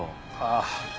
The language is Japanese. ああ。